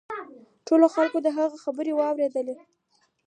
ټولو خلکو د هغه خبره واوریده.